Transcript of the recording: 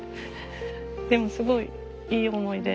でもすごいいい思い出。